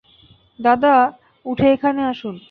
দাদা, উঠে এখানে আসুন।